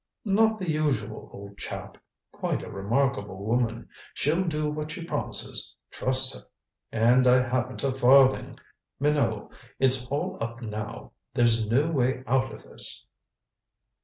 "Not the usual, old chap. Quite a remarkable woman. She'll do what she promises trust her. And I haven't a farthing. Minot it's all up now. There's no way out of this."